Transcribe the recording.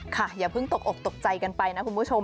อย่าเพิ่งตกอกตกใจกันไปนะคุณผู้ชม